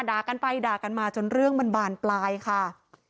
ด่ากันไปด่ากันมาจนเรื่องมันบานปลายค่ะ